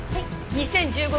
２０１５